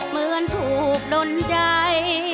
เหมือนถูกดนใจ